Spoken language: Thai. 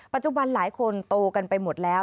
ปัจจุบันหลายคนโตกันไปหมดแล้ว